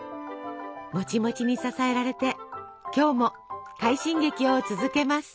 もちもちに支えられて今日も快進撃を続けます。